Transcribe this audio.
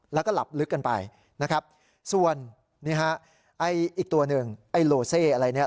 แล้วก็หลับลึกกันไปนะครับส่วนนี่ฮะไอ้อีกตัวหนึ่งไอ้โลเซ่อะไรเนี่ย